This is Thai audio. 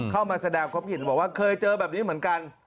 เข้ามาแสดงความเห็นบอกว่าเคยเจอแบบนี้เหมือนกัน